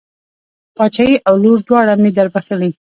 پاچهي او لور دواړه مې در بښلې.